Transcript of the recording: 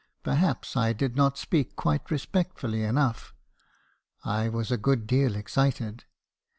Perhaps I did not speak quite respectfully enough; I was a good deal excited.